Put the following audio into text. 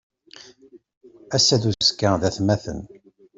Ass-a d uzekka d atmaten.